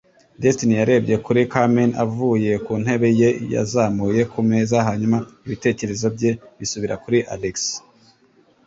Destiny yarebye kuri Carmen avuye ku ntebe ye yazamuye ku meza hanyuma ibitekerezo bye bisubira kuri Alex.